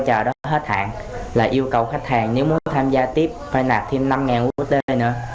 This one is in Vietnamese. các vô trợ đó hết hạn là yêu cầu khách hàng nếu muốn tham gia tiếp phải nạp thêm năm usd nữa